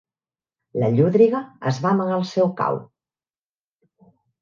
La llúdriga es va amagar al seu cau.